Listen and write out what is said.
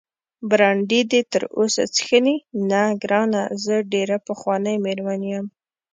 برانډي دې تراوسه څښلی؟ نه ګرانه، زه ډېره پخوانۍ مېرمن یم.